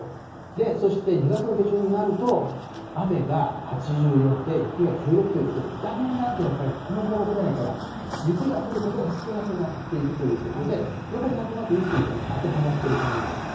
そして２月の下旬になると、雨が８４で、雪が１６ということで、だんだんとやっぱりこのころぐらいから、雪が降ることが少なくなっていくということで、やっぱりなんとなく雨水が当てはまっている感じがします。